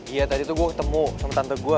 iya tadi tuh gue ketemu sama tante gue